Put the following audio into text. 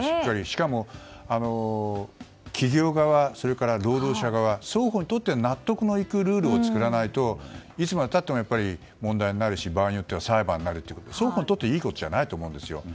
しかも、企業側それから労働者側双方にとって納得のいくルールを作らないといつまで経っても問題になるし場合によっては裁判になるということで双方にとっていいことじゃないと思うんですよ。